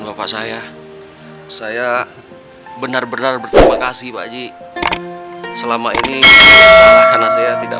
bapak saya saya benar benar berterima kasih pak j selama ini karena saya tidak